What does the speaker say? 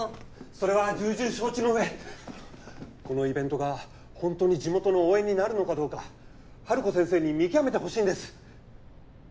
それは重々承知の上このイベントがホントに地元の応援になるのかどうかハルコ先生に見極めてほしいんです。